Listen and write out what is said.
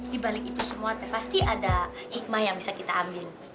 di balik itu semua pasti ada hikmah yang bisa kita ambil